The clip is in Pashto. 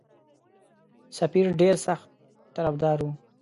سفیر ډېر سخت طرفدار وو.